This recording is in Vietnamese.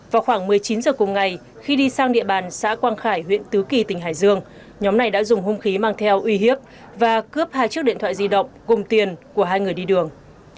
vào khoảng một mươi chín giờ cùng ngày khi đi sang địa bàn xã quang khải huyện tứ kỳ tỉnh hải dương nhóm này đã dùng hung khí mang theo uy hiếp và cướp hai chiếc điện thoại di động cùng tiền của hai người đi đường